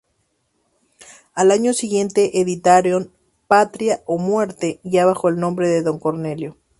Al año siguiente editaron "Patria o muerte", ya bajo el nombre de Don Cornelio.